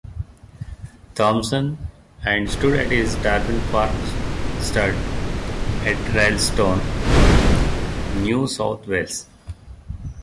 Thompson and stood at his Tarwyn Park Stud at Rylstone, New South Wales.